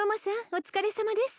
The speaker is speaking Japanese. お疲れさまです